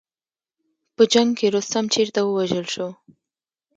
په جنګ کې رستم چېرته ووژل شو.